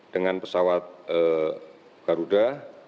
dengan pesawat garuda